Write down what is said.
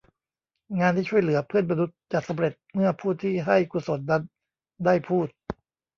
งานที่ช่วยเหลือเพื่อนมนุษย์จะสำเร็จเมื่อผู้ที่ให้กุศลนั้นได้พูด